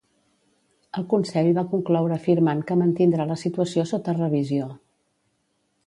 El Consell va concloure afirmant que mantindrà la situació sota revisió.